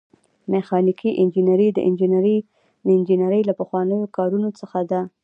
میخانیکي انجنیری د انجنیری له پخوانیو کارونو څخه ده.